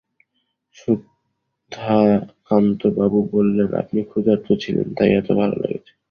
সুধাকান্তবাবু বললেন, আপনি ক্ষুধার্ত ছিলেন, তাই এত ভালো লেগেছে।